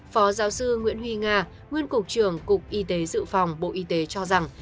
phó giáo sư nguyễn huy nga nguyên cục trưởng cục y tế dự phòng bộ y tế cho rằng